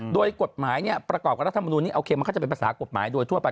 โดยกฎหมายประกอบกับรัฐมนุนนี้โอเคมันก็จะเป็นภาษากฎหมายโดยทั่วไป